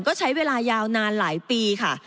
ก็ใช้เวลายาวนานหลายปีค่ะ